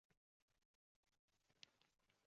Har bir qiz – Alloh nasib etsa – bir kun ona bo‘ladi.